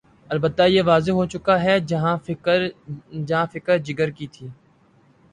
البتہ یہ واضح ہو چکا کہ جہاں فکر جگر کی تھی۔